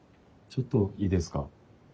ちょっといいですか？